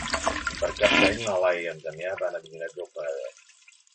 Per Cap d'Any na Laia i en Damià van a Avinyonet del Penedès.